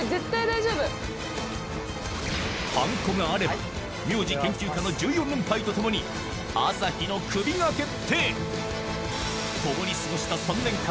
はんこがあれば名字研究家の１４連敗とともに朝日のクビが決定